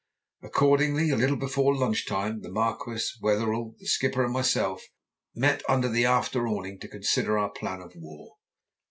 Accordingly, a little before lunch time the Marquis, Wetherell, the skipper and myself, met under the after awning to consider our plan of war.